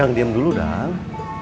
dang diem dulu dang